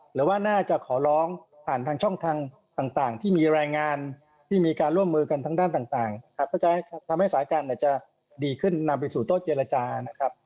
หรือว่าน่าจะขอร้องผ่านทางช่องทางต่างที่มีรายงานที่มีการร่วมมือกันทางด้านต่างครับก็จะทำให้สถานการณ์จะดีขึ้นนำไปสู่โต๊ะเจรจานะครับ